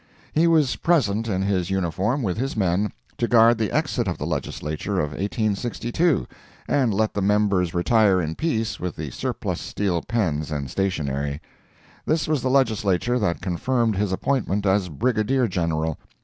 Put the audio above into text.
He was present in his uniform with his men, to guard the exit of the Legislature of 1862, and let the members retire in peace with the surplus steel pens and stationery. This was the Legislature that confirmed his appointment as Brigadier General.